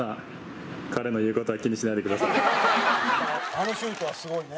あのシュートはすごいね。